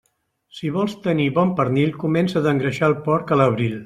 Si vols tenir bon pernil, comença d'engreixar el porc a l'abril.